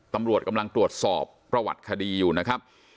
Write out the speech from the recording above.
ตำรวจกำลังตรวจสอบประวัติคดีอยู่นะครับ